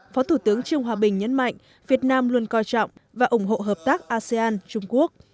phó thủ tướng trương hòa bình nhấn mạnh việt nam luôn coi trọng và ủng hộ hợp tác asean trung quốc